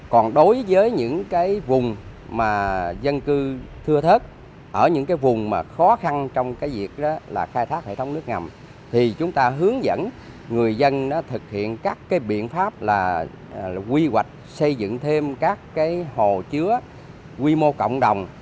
còn đối với những cái vùng mà dân cư thưa thất ở những cái vùng mà khó khăn trong cái việc đó là khai thác hệ thống nước ngầm thì chúng ta hướng dẫn người dân thực hiện các cái biện pháp là quy hoạch xây dựng thêm các cái hồ chứa quy mô cộng đồng